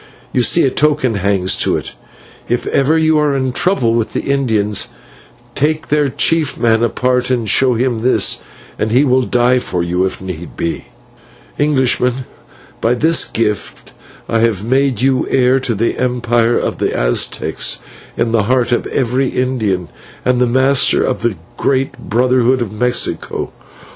You see a token hangs to it; if ever you are in trouble with the Indians, take their chief man apart and show him this, and he will die for you if need be. "Englishman, by this gift I have made you heir to the empire of the Aztecs in the heart of every Indian, and the master of the great brotherhood of Mexico.